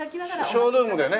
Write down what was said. ショールームでね。